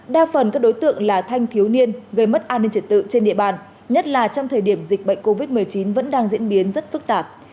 đa phần các đối tượng là thanh thiếu niên gây mất an ninh trật tự trên địa bàn nhất là trong thời điểm dịch bệnh covid một mươi chín vẫn đang diễn biến rất phức tạp